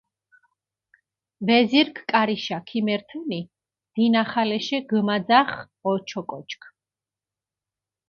ვეზირქ კარიშა ქიმერთჷნი, დინახალეშე გჷმაძახჷ ოჩოკოჩქ.